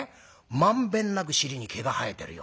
満遍なく尻に毛が生えてるよ。